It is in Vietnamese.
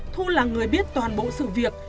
thu là người biết toàn bộ sự việc